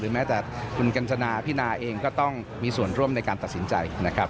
แม้แต่คุณกัญจนาพี่นาเองก็ต้องมีส่วนร่วมในการตัดสินใจนะครับ